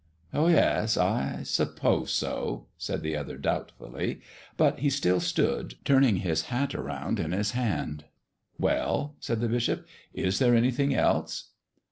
"Oh yes; I suppose so," said the other, doubtfully. But he still stood, turning his hat about in his hands. "Well," said the bishop, "is there anything else?"